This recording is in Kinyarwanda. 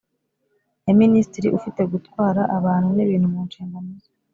Ya minisitiri ufite gutwara abantu n ibintu mu nshingano ze